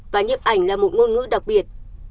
và nhếp ảnh là một ngôn ngữ đặc biệt